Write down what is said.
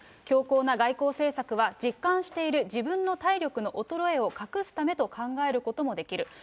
強硬な外交政策は実感している自分の体力の衰えを隠すためと考えることもできる。